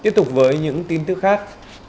tiếp tục với những tin tức khác